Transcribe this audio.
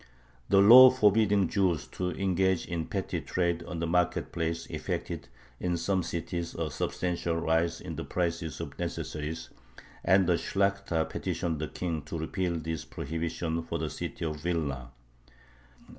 The law forbidding Jews to engage in petty trade on the market place effected in some cities a substantial rise in the prices of necessaries, and the Shlakhta petitioned the King to repeal this prohibition for the city of Vilna.